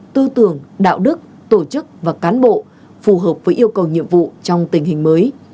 tư tưởng đạo đức tổ chức và cán bộ phù hợp với yêu cầu nhiệm vụ trong tình hình mới